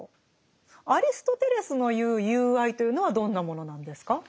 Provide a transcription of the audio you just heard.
アリストテレスの言う「友愛」というのはどんなものなんですか？